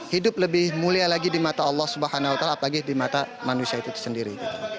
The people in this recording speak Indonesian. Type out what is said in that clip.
hidup lebih mulia lagi di mata allah swt apalagi di mata manusia itu sendiri